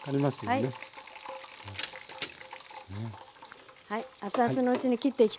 はい。